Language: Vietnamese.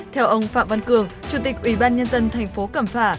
theo ông phạm văn cường chủ tịch ủy ban nhân dân tp cẩm phả